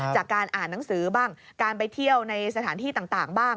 จากการอ่านหนังสือบ้างการไปเที่ยวในสถานที่ต่างบ้าง